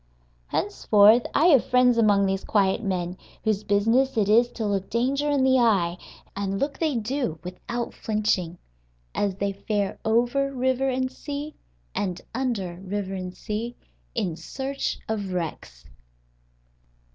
Henceforth I have friends among these quiet men whose business it is to look danger in the eye (and look they do without flinching) as they fare over river and sea, and under river and sea, in search of wrecks.